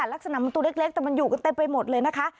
ลักษณะมันตัวเล็กแต่มันอยู่กันเต็มไปหมดเลยนะคะ